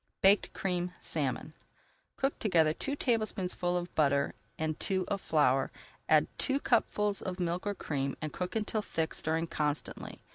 BAKED CREAMED SALMON Cook together two tablespoonfuls of butter and two of flour, add two cupfuls of milk or cream, and cook until thick, stirring constantly.